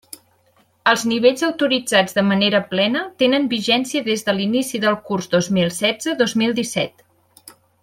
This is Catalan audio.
Els nivells autoritzats de manera plena tenen vigència des de l'inici del curs dos mil setze-dos mil disset.